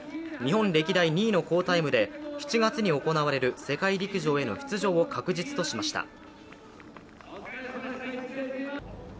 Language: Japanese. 日本歴代２位の好タイムで７月に行われる世界陸上への出場を確実としました。